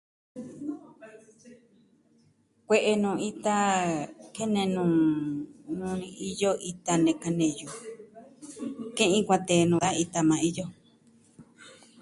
Kue'e nuu ita kene nuu... nuu ni iyo iota neka neyu. Ke'in kuatee nuu da ita maa iyo.